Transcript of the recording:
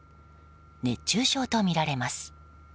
熱中症とみられます。